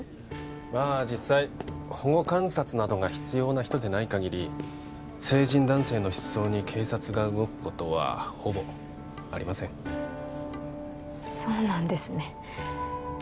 まあ実際保護観察などが必要な人でないかぎり成人男性の失踪に警察が動くことはほぼありませんそうなんですね